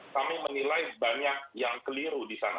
kami menilai banyak yang keliru di sana